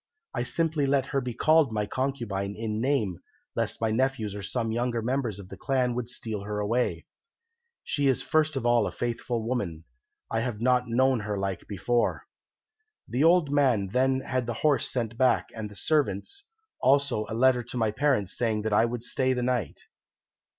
I simply let her be called my concubine in name lest my nephews or some younger members of the clan should steal her away. She is first of all a faithful woman: I have not known her like before.' "The old man then had the horse sent back and the servants, also a letter to my parents saying that I would stay the night.